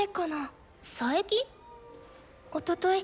おととい